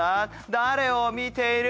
誰を見ている？